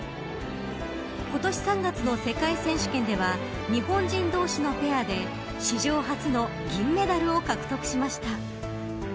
今年３月の世界選手権では日本人同士のペアで史上初の銀メダルを獲得しました。